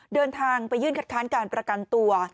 เดินทางไปยื่นคัดค้านการประกันตัว